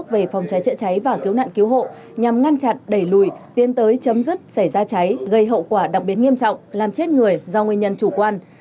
về phòng cháy chữa cháy và cứu nạn cứu hộ nhằm ngăn chặn đẩy lùi tiến tới chấm dứt xảy ra cháy gây hậu quả đặc biệt nghiêm trọng làm chết người do nguyên nhân chủ quan